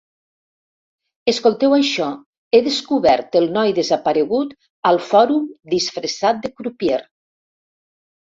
Escolteu això: «He descobert el noi desaparegut al Fòrum disfressat de crupier.